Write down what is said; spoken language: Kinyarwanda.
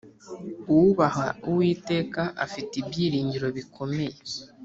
uwubaha uwiteka afite ibyiringiro bikomeye,